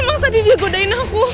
emang tadi dia godain aku